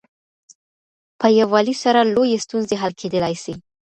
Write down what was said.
په يووالي سره لويې ستونزې حل کيدلای سي.